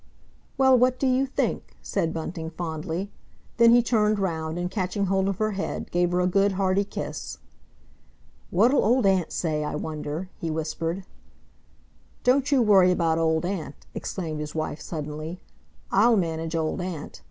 "Well, what do you think?" said Bunting fondly. Then he turned round and, catching hold of her head, gave her a good, hearty kiss. "What'll Old Aunt say, I wonder?" he whispered. "Don't you worry about Old Aunt," exclaimed his wife suddenly. "I'll manage Old Aunt!